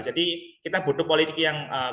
jadi kita butuh politik yang